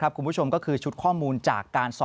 ก็คือบึกชมก็คือชุดข้อมูลจาก